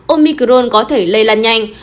omicron có thể lây lan nhanh